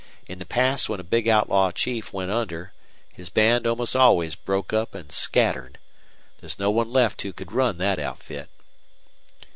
In the past when a big outlaw chief went under, his band almost always broke up an' scattered. There's no one left who could run thet outfit."